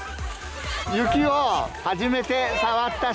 雪を初めて触った人？